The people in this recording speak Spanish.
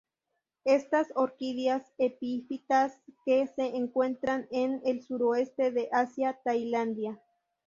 Estas orquídeas epífitas que se encuentran en el Sureste de Asia Tailandia.